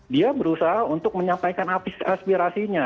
dia berusaha untuk menyampaikan aspirasinya